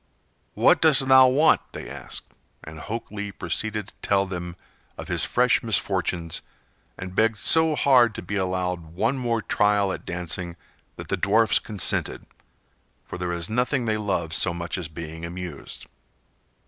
"What dost thou want?" they asked; and Hok Lee proceeded to tell them of his fresh misfortunes and begged so hard to be allowed one more trial at dancing that the dwarfs consented, for there is nothing they love so much as being amused.